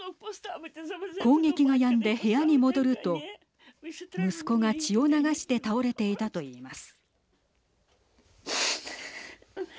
攻撃がやんで部屋に戻ると息子が血を流して倒れていたと言います。